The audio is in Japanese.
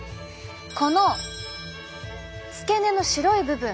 この付け根の白い部分。